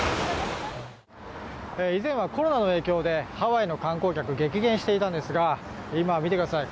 以前はコロナの影響でハワイの観光客激減していたんですが今は見てください。